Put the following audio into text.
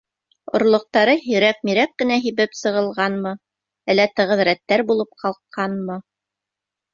Орлоҡтары һирәк-мирәк кенә һибеп сығылғанмы әллә тығыҙ рәттәр булып ҡалҡҡанмы?